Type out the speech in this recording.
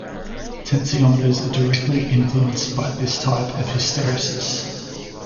Tensiometers are directly influenced by this type of hysteresis.